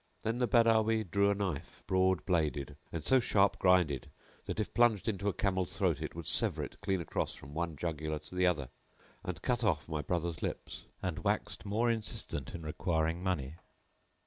Then the Badawi drew a knife, broad bladed and so sharp grinded that if plunged into a camel's throat it would sever it clean across from one jugular to the other,[FN#694] and cut off my brother's lips and waxed more instant in requiring money.